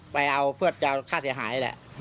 ไปเอาเพื่อจะค่าเสียหายแหละ